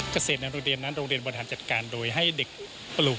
เกษตรนั้นโรงเรียนบริษัทจัดการโดยให้เด็กปลูก